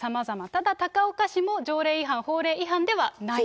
ただ、高岡市も条例違反、法令違反ではないと。